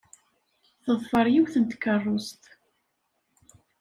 Teḍfer yiwet n tkeṛṛust.